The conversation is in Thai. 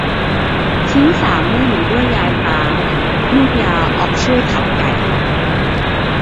ชิ้นสามเมื่ออยู่ด้วยยายตา ลูกยาออกช่วยขับไก่